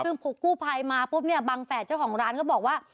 ซึ่งพอกู้ภัยมาปุ๊บเนี่ยบังแฝดเจ้าของร้านก็บอกว่า